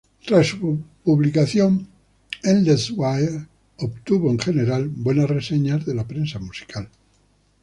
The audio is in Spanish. Tras su publicación, "Endless Wire" obtuvo en general buenas reseñas de la prensa musical.